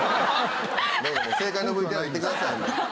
もう正解のＶＴＲいってください。